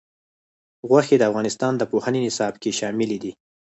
غوښې د افغانستان د پوهنې نصاب کې شامل دي.